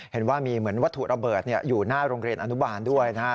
เห็นว่ามีเหมือนวัตถุระเบิดอยู่หน้าโรงเรียนอนุบาลด้วยนะฮะ